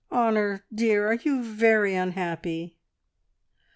"Honor, dear, are you very unhappy?"